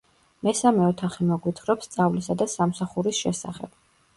მესამე ოთახი მოგვითხრობს სწავლისა და სამსახურის შესახებ.